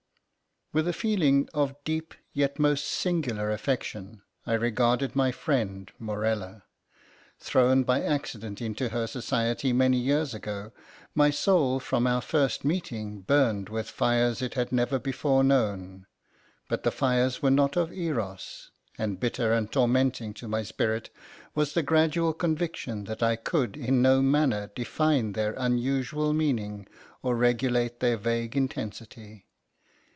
With a feeling of deep yet most singular affection I regarded my friend Morella. Thrown by accident into her society many years ago, my soul from our first meeting, burned with fires it had never before known; but the fires were not of Eros, and bitter and tormenting to my spirit was the gradual conviction that I could in no manner define their unusual meaning or regulate their vague intensity.